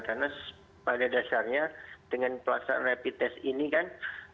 karena pada dasarnya dengan pelaksanaan rapid test ini kan